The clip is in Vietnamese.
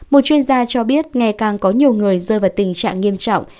một chuyên gia cho biết ngày càng có nhiều người rơi vào tình trạng nghiêm trọng